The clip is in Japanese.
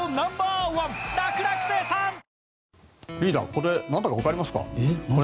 これなんだかわかりますか？